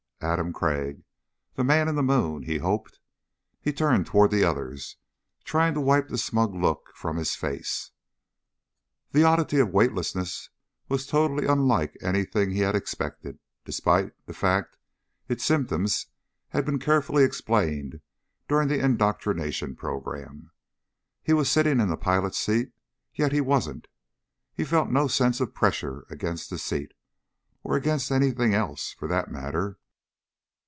Adam Crag, the Man in the Moon. He hoped. He turned toward the others, trying to wipe the smug look from his face. The oddity of weightlessness was totally unlike anything he had expected despite the fact its symptoms had been carefully explained during the indoctrination program. He was sitting in the pilot's seat, yet he wasn't. He felt no sense of pressure against the seat, or against anything else, for that matter.